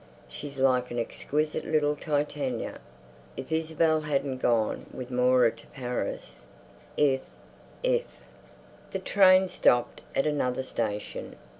She's like an exquisite little Titania"—if Isabel hadn't gone with Moira to Paris—if—if.... The train stopped at another station.